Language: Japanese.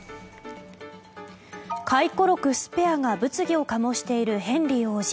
回顧録「スペア」が物議を醸しているヘンリー王子。